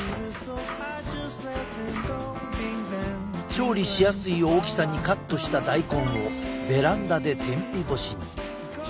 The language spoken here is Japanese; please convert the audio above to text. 調理しやすい大きさにカットした大根をベランダで天日干しに。